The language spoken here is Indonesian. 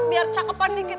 biar cakepan dikit